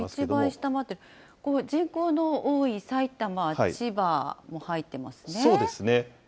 一番下まで、人口の多い埼玉、千葉も入ってますね。